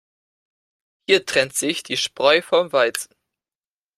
Hier trennt sich die Spreu vom Weizen.